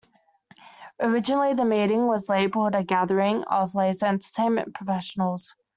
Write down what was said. Originally, the meeting was labeled a gathering of Laser Entertainment Professionals.